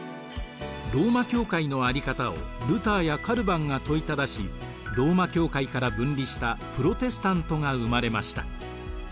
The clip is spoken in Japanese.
ローマ教会のあり方をルターやカルヴァンが問いただしローマ教会から分離したプロテスタントが生まれました。